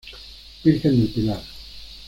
Virgen del Pilar.